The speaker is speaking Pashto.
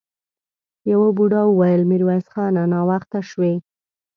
يوه بوډا وويل: ميرويس خانه! ناوخته شوې!